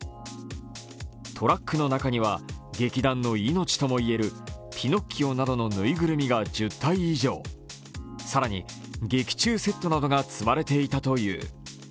トラックの中には劇団の命とも言えるピノッキオなどの縫いぐるみが１０体以上更に、劇中セットなどが積まれていたという。